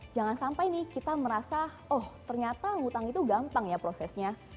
jangan sampai nih kita merasa oh ternyata hutang itu gampang ya prosesnya